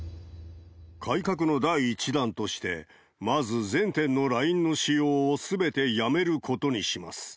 改革の第１弾として、まず全店のＬＩＮＥの使用をすべてやめることにします。